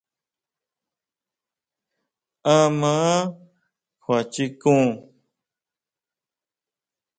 ¿Áʼma kjuachikun?